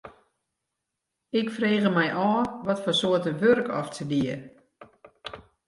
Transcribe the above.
Ik frege my ôf watfoar soarte wurk oft se die.